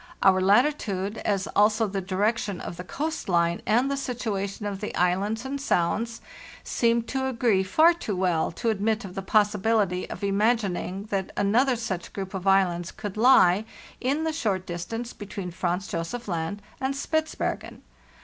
Our latitude, as also the direction of the coast line and the situation of the islands and sounds, seemed to agree far too well to admit of the pos sibility of imagining that another such group of islands could le in the short distance between Franz Josef Land and Spitzbergen.